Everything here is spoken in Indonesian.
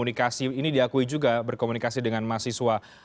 ini diakui juga berkomunikasi dengan mahasiswa